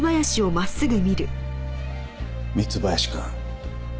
三津林くん。